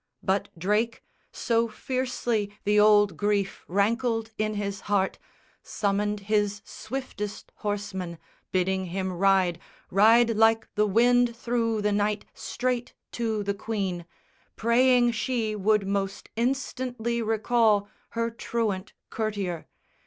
But Drake, So fiercely the old grief rankled in his heart, Summoned his swiftest horseman, bidding him ride, Ride like the wind through the night, straight to the Queen, Praying she would most instantly recall Her truant courtier.